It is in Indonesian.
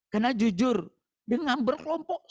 karena jujur dengan berkelompok